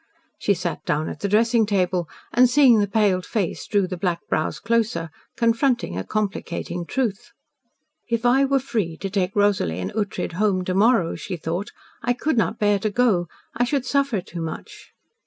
She sat down at the dressing table, and, seeing the paled face, drew the black brows closer, confronting a complicating truth. "If I were free to take Rosalie and Ughtred home to morrow," she thought, "I could not bear to go. I should suffer too much."